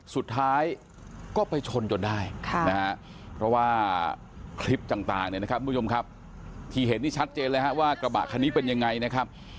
สุดท้ายก็ไปชนจนได้นะฮะเพราะว่าคลิปต่างเนี่ยนะครับทุกผู้ชมครับที่เห็นนี่ชัดเจนเลยฮะว่ากระบะคันนี้เป็นยังไงนะครับ